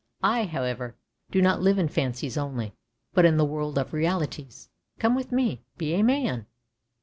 I, however, do not live in fancies only, but in the world of realities. Come with me! Be a man!